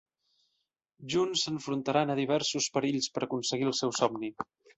Junts s'enfrontaran a diversos perills per a aconseguir el seu somni.